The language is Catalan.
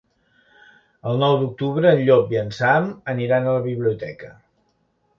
El nou d'octubre en Llop i en Sam aniran a la biblioteca.